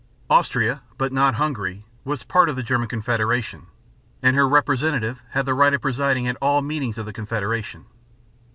Austria (but not Hungary) was part of the German Confederation, and her representative had the right of presiding at all meetings of the confederation.